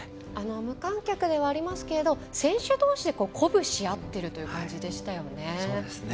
無観客ではありますけれど選手どうしで鼓舞し合っているという感じでしたよね。